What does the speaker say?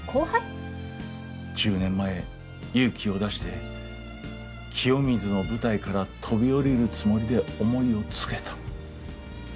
１０年前勇気を出して清水の舞台から飛び降りるつもりで思いを告げた。